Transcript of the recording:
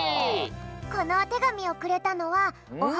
このおてがみをくれたのは「オハ！